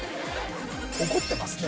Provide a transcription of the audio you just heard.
怒ってますね